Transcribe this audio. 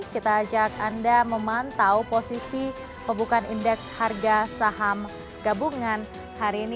kita ajak anda memantau posisi pembukaan indeks harga saham gabungan hari ini